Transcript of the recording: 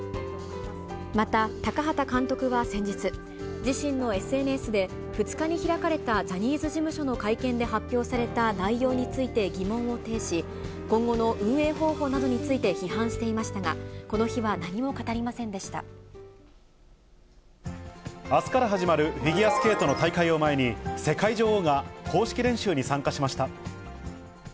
また、タカハタ監督は先日、自身のＳＮＳで、２日に開かれたジャニーズ事務所の会見で発表された内容について疑問を呈し、今後の運営方法などについて批判していましたが、あすから始まるフィギュアスケートの大会を前に、世界女王が公式練習に参加しました。